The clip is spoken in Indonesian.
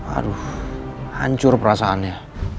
aduh hancur perasaannya